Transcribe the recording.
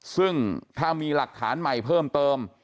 ซึ่งถ้ามีหลักฐานใหม่เพิ่มเติม